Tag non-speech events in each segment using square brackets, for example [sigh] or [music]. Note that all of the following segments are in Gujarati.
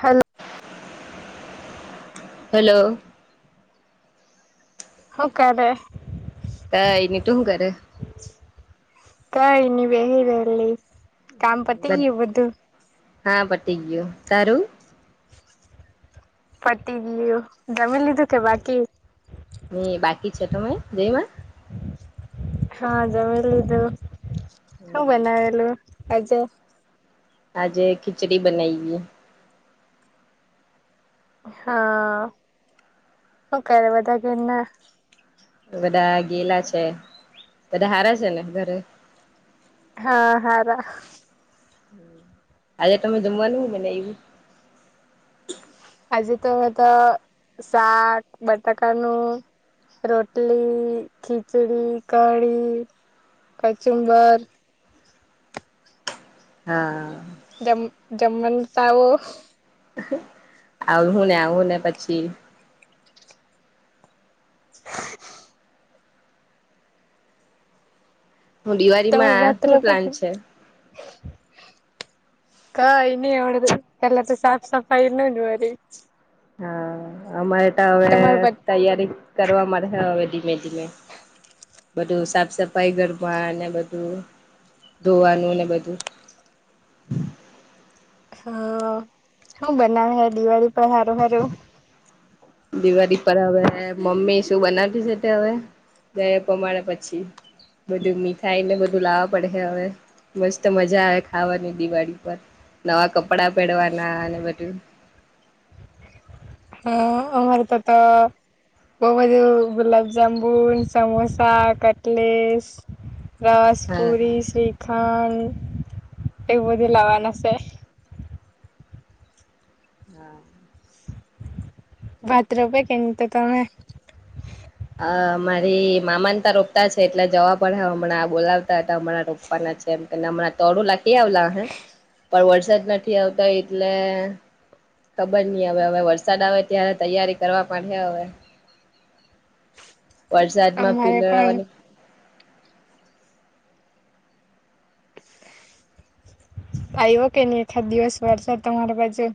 હલ હલો હું કરે? કઈ ની તું તું હું કરે? કઈ ની બેહી રેયલી કામ પતી ગયું બધું હા પટી ગયું તારું પટી ગયુ જમીન લીધું કે બાકી ની બાકી છે તમેં જઈમા હા, જમી લીધું શું, બનાવેલું આજે આજે, ખીચડી બનાઈ ગઈ. હા, શું કર્યારે બધા કેના બધા ગેલા છે, બધા હાર છેને, ઘરે હા, હારા આજે, તમે જમવાનું મને એું આજે, તો મે તો શાક બટાકાનું રોટલી, ખીચડી કઢી કચુંબાર હા. જમ, જમન તાવ હું, ને આવું ને પછી હું, દિવાળીમાં શું પ્લાન છે. કઈની એવડ, એલા સાફ સફાઈના હ હા, અમારે તો હવે તૈયારી કરવા માટે હવે મેધલે બધું સાફ સફાઈ ગરમા, ને બધું ધોવાનું ને બધું હ શું બનાવે, હે દિવાળી પણ હારુ, હારુ દિવાળી પર હવે મમ્મીશું બનાવી છે, તે હવે ગયા પ્રમાણે પછી, બધું મીઠાઈને બધું લાવવા પડે છે, હવે મસ્ત મજા આવે, ખાવાની દિવાળી પર નવા કપડા પહેરવાના, અને બધું હા, અમારે તો, તો બહ, બધું ગુલાબ જામુન, સમોસા, કટલીસ રવાસ હા પુરી શ્રીખાન એવું, બધું હા લાવવાના છે. હા બાથરૂપે કેમ, તો તમે અ મારી મામાને ત રોપતા છે, એટલે જવા પડ હ હમણાં બોલાવતા હતા, હમણાં રોપવાના એમ કે હમણાં, તોડું લખી આવલા હ પણ વરસાદ નથી, આવતા એટલે ખબર નહી, હવે હવે વરસાદ આવે ત્યારે તૈયારી કરવા પણ છે, હવે. વરસાદમા અમારે પણ પીલળવાની આવ્યો કે નહી, ખા દિવસ વરસા તમારા પાછુ.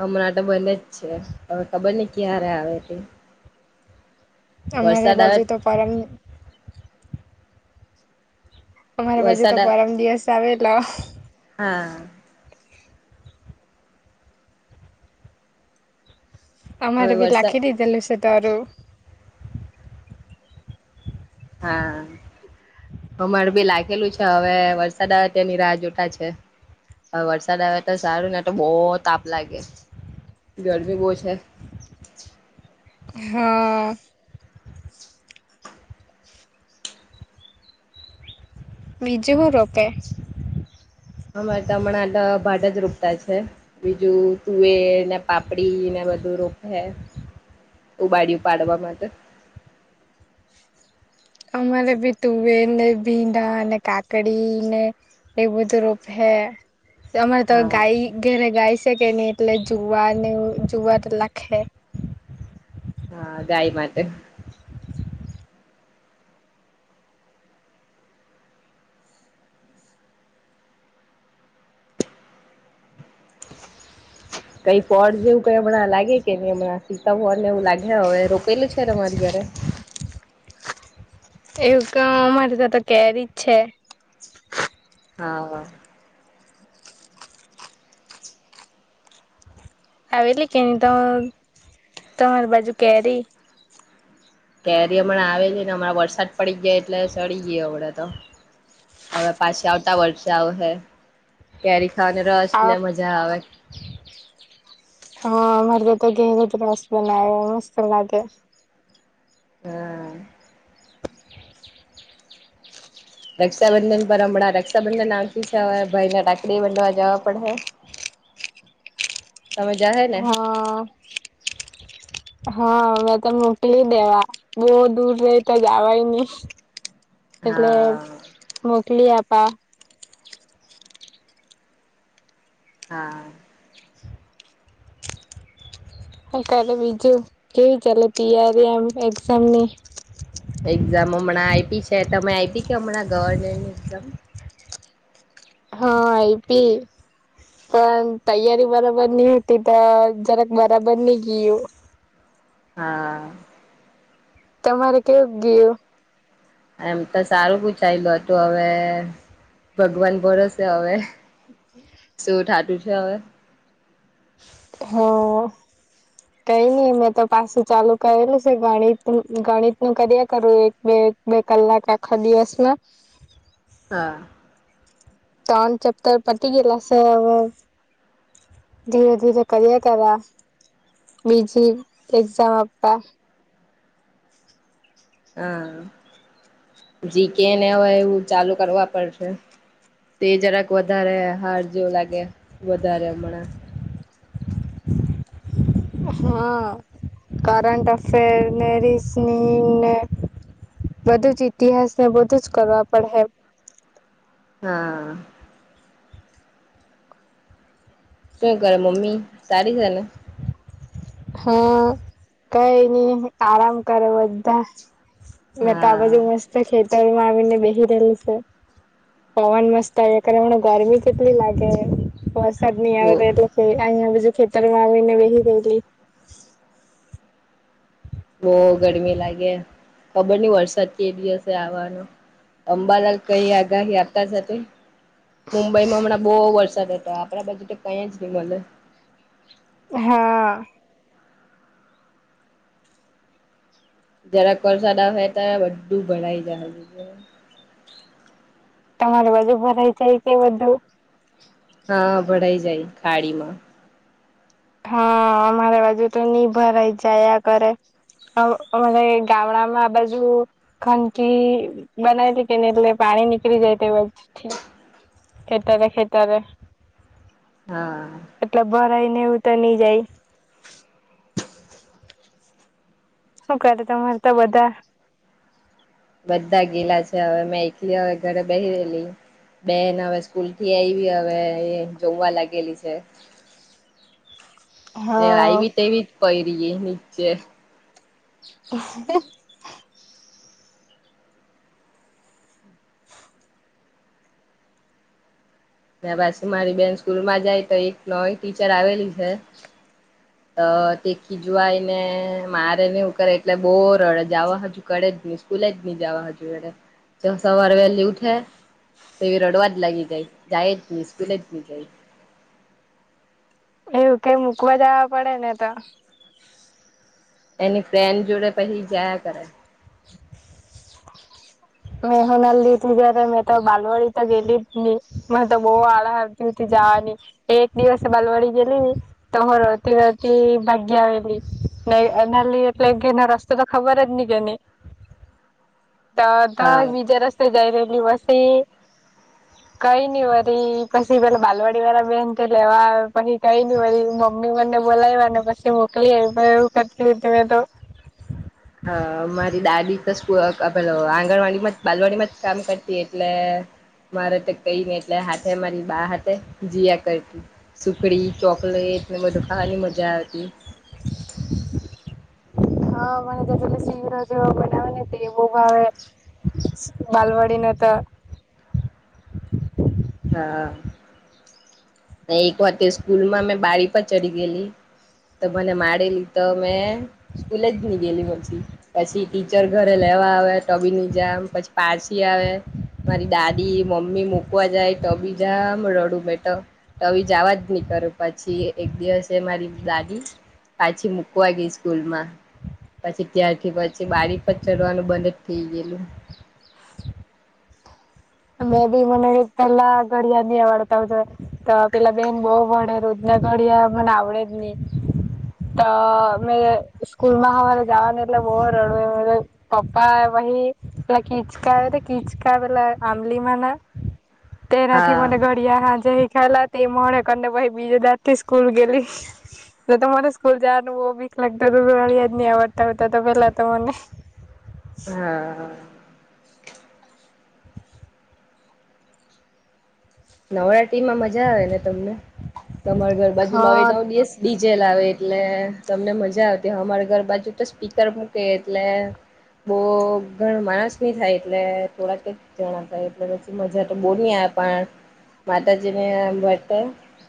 હમણાં ટબને જ છે, હવે તબરને ક્યારે આવે ત અમારે બાજે, તો પરમ અમારા બાજુ, વરસાદ તો આવે પરમ દિવસ આવેલો હા અમારે હવે બી વરસાદ લાખી, દ દલું સ તરું હા અમાર બી લાગેલું છે, હવે વરસાદ આવે તેંની રાહ જોતાા છે. હવે વરસાદ આવે, તો સારું ને તો બહુ તાપ લાગે ઘઢવી બહ જ છે. હા બીજૂ રપે અમારે તો હમણાંટ ભાટ જ રોપટ છે, બીજું તુવેર ને પાપડી ને બું રોપે ઉબાડયું, પાડવા માટે [inaudible] અમારે ભી તુવેર, ને ભીંડા ને કાકડી ને ખેત બધું રોપ હે તમારે તો હા ગાય ઘેરે ગાય સે સે કેન્ડનીટલે જોવાને જોવા તો લાખે હા ગાય માટે [inaudible] કઈ ફોલ જેવું કઈ હમણાં લાગે કે ન હમણાં સીતા [unintelligible] ને એવું લાગે હવે પેલુ છે ને મારી ઘરે એવું ક અમારે ત્યાંતો કેરીજ છે હા હ આવેલી કે ન તો તમારી બાજુ કેરી કેરી હમણાં આવે લી ને હમણાં વરસાદ પડી ગયા એટલે ચડી ગયો હડે તો હવે પાછી આવતા વર્ષે આવહે કેરી ને રસ ને આ મજા આવે હા મારે તો તો ઘેરે જ રસ બનાવો મસ્ત લાગે હ રક્ષાબંધન પર હમણાં રક્ષાબંધન આવતી છે હવે ભાઈને રાખડી બનધા જવા પડ હે જાહે ને હા હા મેં તો મોકલી દેવા બહ દૂર રહી તો જવાય નહી એટલે હા મોકલી આપા હા ક્યારે બીજું કેવી ચાલે તિયારી એમ એક્ઝામની એક્ઝામ હમણાં આઈપી છે તમે આઈપી કે હમણાં ગવર્મેન્ટની એક્ઝામ હા આઈપી પણ તૈયારી બરાબર નહી હોતી તો જરાક બરાબર ની ગિયું હા તમારે કેવું ગિયું એમ તો સારું પૂછાયલું હતું હવે ભગવાન ભરોસે હવે શું ઠાતું છે હવે હા કઈ નઈ મેં તો પાછું ચાલુ કરેલું છે ગણિત નુ ગણિત નું કર્યા કરું એક બે એક બે કલાક આખા દિવસમાં હા ત્રણ ચેપટર પતિ ગેલા સે હવે ધીરે ધીરે કર્યા કરા બીજી એક્ઝામ આપા હા જી કેને હોય એવું ચાલુ કરવા પડશે તે જરાક વધારે હાર જેવુ લાગે વધારે હમણાં [inaudible] હા કરન્ટન્ટ અફેર રિસીવ બધું જ ઇતિહાસ ને બધું જ કરવા પડે હા. શું કરે મમ્મી સારી છેને. હા કઈ નઈ આરામ કરે બધાજ મે તો આ બાજુ હા મસ્ત ખેતરમાં આવીને બેહી રહેલી સે પવન મસ્ત આવ્યા કરે ને ગરમી કેટલી લાગે વરસાદ ની આવે તો બહુ એટલે અહીયા બીજુ ખેતરમાં આવીને બેહી ગયેલી. બઉ ગરમી લાગે ખબર નહી વરસાદ કે દિવસે આવવાનો. અંબાલાલ કઈ આગાહી આપતા છે તે. મુંબઈમાં હમણાં બહુ વરસાદ હતો આપણા બાજું તો કઈ જ નહી મળે. હા. જરાક વરસાદ આવહે ત્યારે બધું ભરાઈ જાહે. તમારે બધું ભરાય જાય કે બધું હા ભડાઈ જાય ખાડીમાં હા અમારે બાજુ તો ની ભરાઈ જાયા કરે અ અમાર હે ગામડા માં આ બાજુ ખંનકી બનાવેલી કે ની એટલે પા ણી નીકળી જાય તે બાજુથી ખેતરે-ખેતરે. હા ને એવું તો ની જાય. શું કરે તમારે તા બધા? બધા ગેલા છે હવે મેં એકલી હવે ઘરે બેહી રહેલી. બેન હવે સ્કૂલથી આવી હવે જમવા લાગેલી છે હા. આયવી તેવી જ પયરી નીચે. હ પાછી મારી બેન સ્કૂલમાં જાય તો એક નવી ટીચર આવેલી છે. તે ખીજવાયને મારે ને એવું કરે એટલે બોવ રડે જાવા હજુ કડે જ ની સ્કૂ લે જ નહી જવા હજુ, સવારે વહેલી ઉઠે તો એ રડવા જ લાગી જાય. જાય જ ની સ્કૂલે જ નહી જાય. એવું કેઈ મૂકવા જવા પડે ને તો એની ફ્રેન્ડ જોડે પછી જાયા કરે. [inaudible] મેં હો નાલ્લી ઉત્તી ત્યારે મેં તો બાલવાડી તો ગેલી જ ની, મેં તો બહુ આળહ આવતી હતી જા એક દિવસ બાલવાડી ગેલી તો હો રડતી રડતી ભાગ્યા આવેલી. ન નાલ્લી એટલે ઘરનો રસ્તો તો ખબર જ નહી કેની. તો ત હા બીજા રસ્તે જઈ રહેલી પસી કઈ નઈ વરી પછી પેલા બાલવાડી વાળા બેન તો લેવા પછી કઈ નહી વળી મમ્મી મને બોલાવ્યાને પછી મોકલી આયપા એવું કરતી હતી મેં તો. હા મારી દાડી તો સ્કૂ પેલો આંગણવાડી માં જ બાલવાડીમાં જ કામ કરતી એટલે મારે તો કઈ ને એટલે હાથે મારી બા હાથે જીયા કરતી. સુખડી, ચોકલેટ ને બધું ખાવાની મજા આવતી. હા મને તો પેલો સિંરો જેવો બનાવે ને તે બોવ ભાવે. બાલવાડીને તો હા એક વખતે સ્કૂલમાં મેં બારી પર ચડી ગયેલી તો મને માડેલી તો મેં સ્કૂલે જ ની ગયેલી પછી પછી ટીચર ઘરે લે આવે તો બી ની જામ પછી, પાછી આવે મારી દાદી મમ્મી મૂકવા જાય તો બી જામ રડું મેં તો બી જાવા જ નહી કરુ પછી એક દિવસે મારી દા દી પાછી મૂકવા ગઈ સ્કૂલમાં પછી ત્યારથી પછી બારી પર ચઢવાનું બંધ જ થઈ ગયેલું. મે બી મને પેલા ઘડિયા નવાડતા હો છે તો પેલા બેન બહ વડે રુંજ ઘડિયા મને આવડે જ નહી તો મેં સ્કૂલમાં હરે જવાનું એટલે બહ રડું પપ્પા કહી એ કીચકા તો કીચ લા આંબલી ના તેનાથી હા મને ઘડિયા હાનજે હિ ખેલાતી મોડે કરીને પછી બીજે દાડથી સ્કૂલ ગેલી એટલે તો મરે સ્કૂલ જવાનું બો બી લગતા યાદ નહી આવડતા આવતા તો પેલા તો મને હા હા. નવરાત્રી માં મજા આવે ને તમને તમાર ઘર બાજુ નવે હા નવ દિવસ બ જે લાવે આવે એટલે તમને મજા આવતી અમારી ઘર બાજુ તો સ્પીકર મૂકે એટલે. બો ઘણ માણસ ની થાય એટલે થોડાક જ જણા થાય એટલે પછી મજા તો બો ની આ પણ માતાજી ને ભટ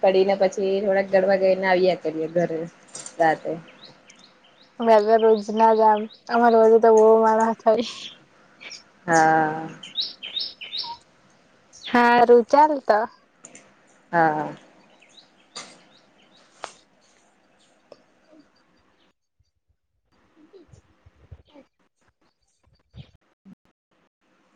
પડીને પછી થોડાક ગરવા ગઈને આવ્યા કરીએ ઘરે રાતે મેં ત રોજ ના જામ અમારે રોજે તો બો માર હાથ હોય હા હારુ ચાલ તો હા હા